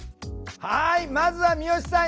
はいまずは三好さん